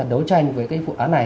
đối tranh với phụ án này